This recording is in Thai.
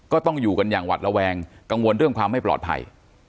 ก็ต้องอยู่กันอย่างหวัดระแวงกังวลเรื่องความไม่ปลอดภัย